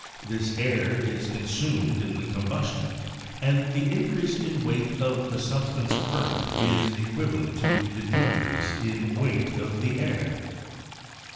(2) This air is consumed in the combustion, and the increase in weight of the substance burnt is equivalent to the decrease in weight of the air.